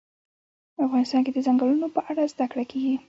افغانستان کې د چنګلونه په اړه زده کړه کېږي.